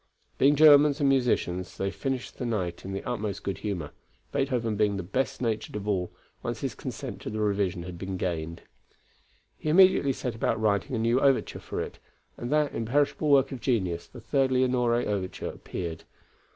Being Germans and musicians, they finished the night in the utmost good humor, Beethoven being the best natured of all, once his consent to the revision had been gained. He immediately set about writing a new overture for it, and that imperishable work of genius, the Third Leonore overture appeared.